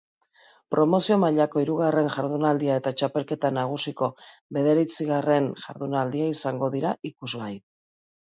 Promozio mailako hirugarren jardunaldia eta txapelketa nagusiko bederatzigarren jardunaldia izango dira ikusgai.